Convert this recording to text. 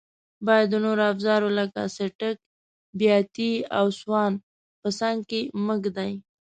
باید د نورو افزارو لکه څټک، بیاتي او سوان په څنګ کې مه ږدئ.